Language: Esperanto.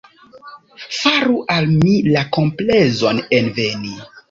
Faru al mi la komplezon enveni.